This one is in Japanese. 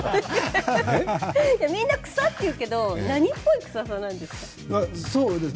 みんなクサッて言うけど何っぽい臭さなんですか？